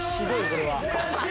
これは」